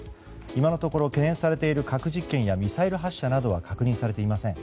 今のところ懸念されている核実験やミサイル発射などは確認されていません。